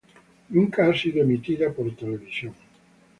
Nunca ha sido emitida en televisión.